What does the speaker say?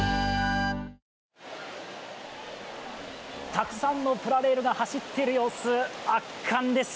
たくさんのプラレールが走っている様子、圧巻です！